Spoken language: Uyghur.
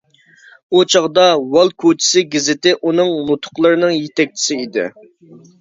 ئۇ چاغدا «ۋال كوچىسى گېزىتى» ئۇنىڭ نۇتۇقلىرىنىڭ يېتەكچىسى ئىدى.